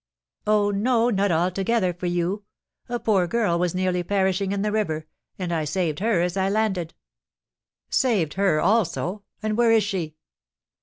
"Oh, no, not altogether for you. A poor girl was nearly perishing in the river, and I saved her as I landed." "Saved her also. And where is she?"